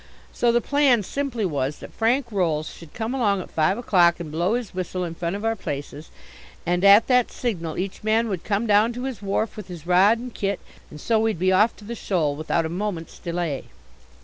So the plan simply was that Frank Rolls should come along at five o'clock and blow his whistle in front of our places, and at that signal each man would come down to his wharf with his rod and kit and so we'd be off to the shoal without a moment's delay.